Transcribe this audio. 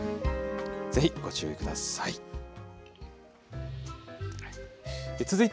ぜひご注意ください。